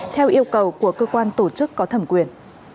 theo yêu cầu của cơ quan tổ chức có thẩm quyền